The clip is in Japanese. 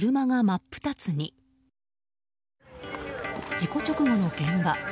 事故直後の現場。